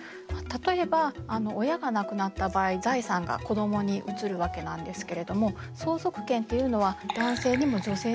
例えば親が亡くなった場合財産が子どもに移るわけなんですけれども相続権っていうのは男性にも女性にもありました。